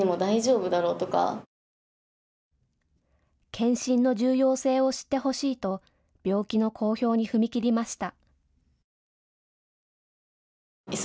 検診の重要性を知ってほしいと病気の公表に踏み切りました。